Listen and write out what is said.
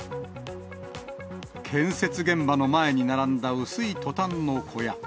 建設現場の前に並んだ薄いトタンの小屋。